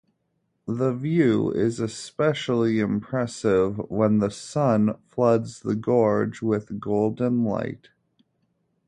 The view is especially impressive when the sun floods the gorge with golden light.